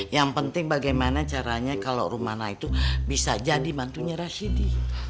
yang penting bagaimana caranya kalau rumana itu bisa jadi mantunya rasidi